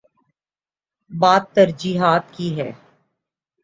بات ترجیحات کی ہے۔